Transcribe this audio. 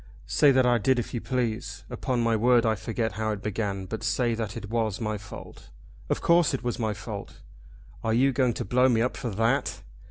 "Say that I did if you please. Upon my word I forget how it began, but say that it was my fault. Of course it was my fault. Are you going to blow me up for that?